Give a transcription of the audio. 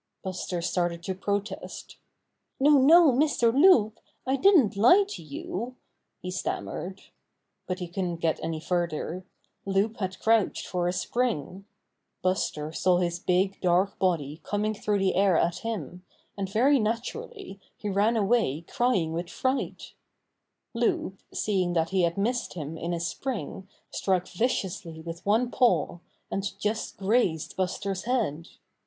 Buster started to protest. "No, no, Mr. Loup, I didn't lie to you," he stammered. But he couldn't get any further. Loup had crouched for a spring. Buster saw his big, dark body coming through the air at him, and 20 Buster the Bear very naturally he ran away crying with fright. Loup seeing that he had missed him in his spring struck viciously with one paw, and just grazed Buster's head.